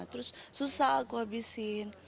terus susah aku habisin